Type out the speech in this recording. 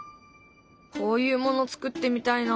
こういうもの作ってみたいな。